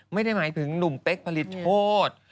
ไม่ได้หมายถึงหนุ่มเป๊กผลิตโชธ